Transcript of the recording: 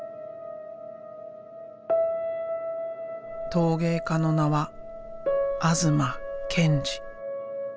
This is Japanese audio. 陶芸家の名は東健次。